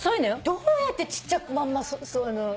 どうやってちっちゃいまんま。